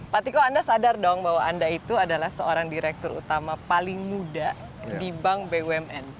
pak tiko anda sadar dong bahwa anda itu adalah seorang direktur utama paling muda di bank bumn